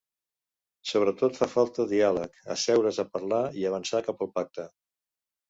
Sobretot fa falta diàleg, asseure’s a parlar i avançar cap al pacte.